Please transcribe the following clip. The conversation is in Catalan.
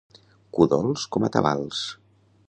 Cudols com a tabals.